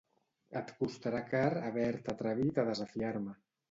Et costarà car haver-te atrevit a desafiar-me.